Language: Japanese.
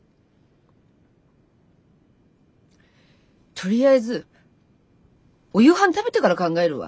とりあえずお夕飯食べてから考えるわ。